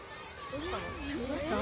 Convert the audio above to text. どうしたの？